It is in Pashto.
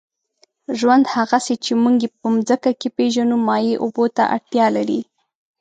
ژوند، هغسې چې موږ یې په مځکه کې پېژنو، مایع اوبو ته اړتیا لري.